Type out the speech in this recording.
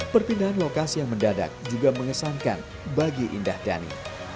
perpindahan lokasi yang mendadak juga mengesankan bagi indah dhani